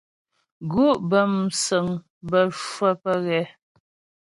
Gǔ' bə́ músəŋ bə́ cwə́ pə́ ghɛ.